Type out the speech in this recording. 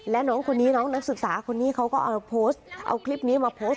และน้องคนนี้น้องนักศึกษาคนนี้เขาก็เอาคลิปนี้มาโพสต์